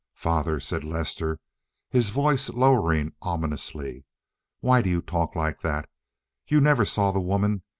"Father," said Lester, his voice lowering ominously, "why do you talk like that? You never saw the woman.